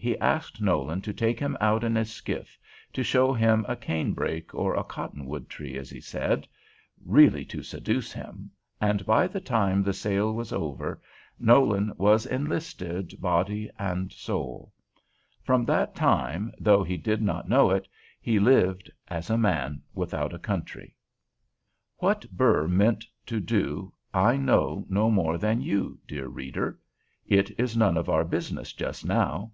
He asked Nolan to take him out in his skiff to show him a canebrake or a cotton wood tree, as he said, really to seduce him; and by the time the sail was over, Nolan was enlisted body and soul. From that time, though he did not yet know it, he lived as A MAN WITHOUT A COUNTRY. What Burr meant to do I know no more than you, dear reader. It is none of our business just now.